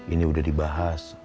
ini udah dibahas